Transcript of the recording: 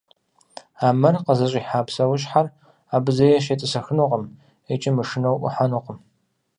А мэр къызыщӏихьэ псэущхьэхэр абы зэи щетӏысэхынукъым икӏи, мышынэу, ӏухьэнукъым.